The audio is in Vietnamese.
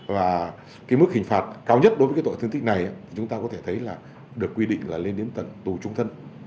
và cái mức hình phạt cao nhất đối với cái tội thương tích này thì chúng ta có thể thấy là được quy định là lên đến tận tù trung thân